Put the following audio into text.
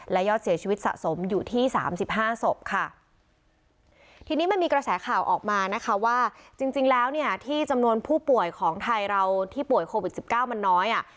และยอดเสียชีวิตสะสมอยู่ที่สามสิบห้าศพค่ะทีนี้มันมีกระแสข่าวออกมานะคะว่าจริงจริงแล้วเนี่ยที่จำนวนผู้ป่วยของไทยเราที่ป่วยโควิดสิบเก้ามันน้อยอ่ะ